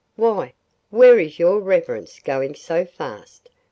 'Why, where is your reverence going so fast?